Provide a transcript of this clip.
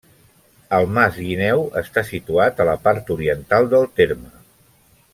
El Mas Guineu està situat a la part oriental del terme.